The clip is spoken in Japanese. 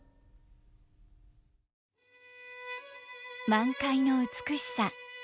満開の美しさ。